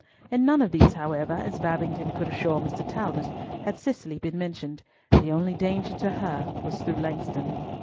In none of these, however, as Babington could assure Mr. Talbot, had Cicely been mentioned,—the only danger to her was through Langston.